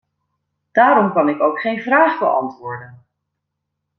Daarom kan ik ook geen vraag beantwoorden.